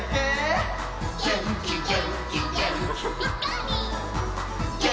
「げんきげんきげんき」「ぴかりん」